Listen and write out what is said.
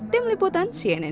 tim liputan cnn news